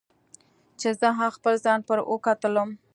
چې زه هم خپل ځان پر وکتلوم.